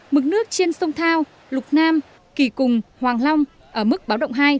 mực nước trên sông thao lục nam kỳ cùng hoàng long ở mức báo động hai